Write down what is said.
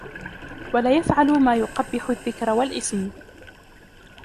وَلَا يَفْعَلَ مَا يُقَبِّحُ الذِّكْرَ وَالِاسْمَ